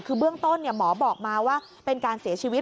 คือเบื้องต้นหมอบอกมาว่าเป็นการเสียชีวิต